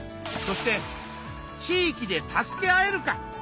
そして「地域で助け合えるか？」